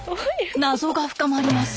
謎が深まります。